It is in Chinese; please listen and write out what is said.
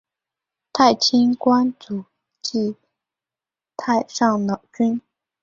太清观主祀太上老君。